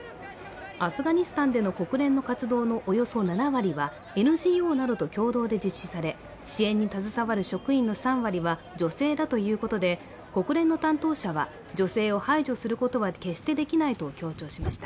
アフガニスタンでの国連の活動のおよそ７割はＮＧＯなどと共同で実施され、支援に携わる職員の３割は女性だということで、国連の担当者は女性を排除することは決してできないと強調しました。